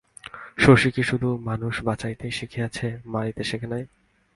শশী কি শুধু মানুষ বাঁচাইতে শিখিয়াছে, মারিতে শেখে নাই?